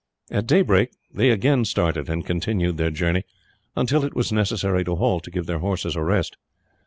At daybreak they again started and continued their journey until it was necessary to halt to give their horses a rest.